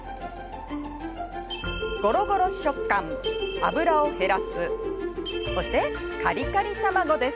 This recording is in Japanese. ゴロゴロ食感、脂を減らすそしてカリカリ卵です。